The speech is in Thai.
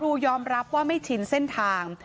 ครูยอมรับว่าไม่ชินเส้นทาง